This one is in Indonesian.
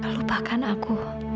lupa kan aku